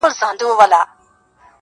وي د غم اوږدې كوڅې په خامـوشۍ كي.